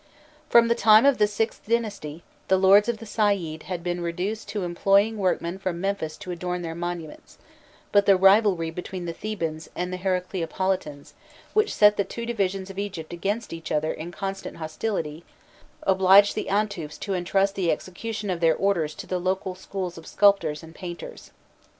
From the time of the VIth dynasty the lords of the Saïd had been reduced to employing workmen from Memphis to adorn their monuments; but the rivalry between the Thebans and the Heracleopolitans, which set the two divisions of Egypt against each other in constant hostility, obliged the Antufs to entrust the execution of their orders to the local schools of sculptors and painters.